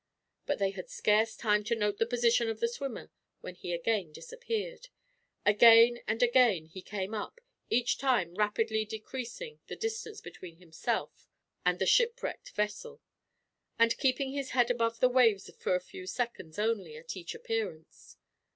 But they had scarce time to note the position of the swimmer, when he again disappeared. Again and again he came up, each time rapidly decreasing the distance between himself and the shipwrecked vessel; and keeping his head above the waves for a few seconds, only, at each appearance.